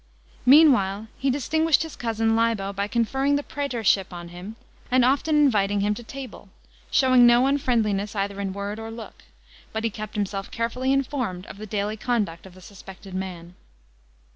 Meanwhile he distinguished his cousin Libo by conferring the prsetorship on him, and often inviting him to table, showing no unfriendliness either in word or look ; but he kept himself carefiilly informed of the daily conduct of the suspected man.